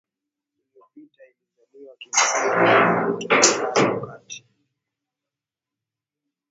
iliyopita Ilizaliwa kimsingi kama mto wa bara wakati